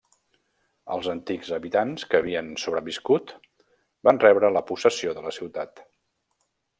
Els antics habitants que havien sobreviscut van rebre la possessió de la ciutat.